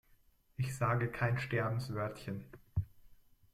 Ich sage kein Sterbenswörtchen.